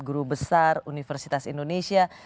guru besar universitas indonesia